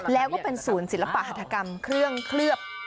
แล้วก็เป็นศูนย์ศิลปหัฐกรรมเครื่องเคลือบ